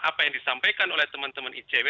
apa yang disampaikan oleh teman teman icw